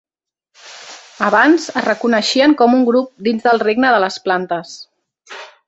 Abans es reconeixien com un grup dins del regne de les plantes.